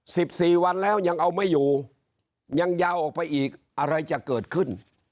สิบสี่วันแล้วยังเอาไม่อยู่ยังยาวออกไปอีกอะไรจะเกิดขึ้น